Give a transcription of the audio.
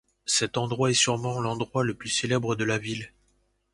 Cet endroit est surement l'endroit le plus célèbre de la ville.